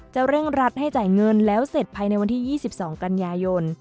เร่งรัดให้จ่ายเงินแล้วเสร็จภายในวันที่๒๒กันยายน